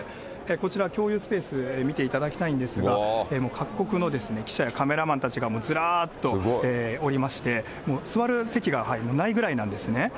こちら、共有スペース見ていただきたいんですが、もう各国の記者やカメラマンたちがもうずらーっとおりまして、座る席がないぐらいなんですね。